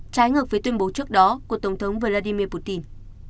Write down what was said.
trái ngược với tuyên bố trước đó của tổng thống vladimir putin